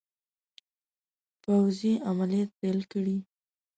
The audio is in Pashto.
پوځي عملیات پیل کړي.